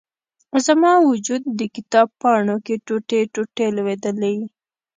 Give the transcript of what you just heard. زما و جود، د کتاب پاڼو کې، ټوټي، ټوټي لویدلي